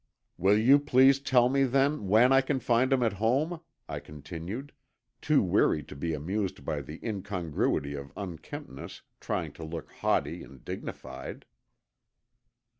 "Will you please tell me then when I can find him at home?" I continued, too weary to be amused by the incongruity of unkemptness trying to look haughty and dignified.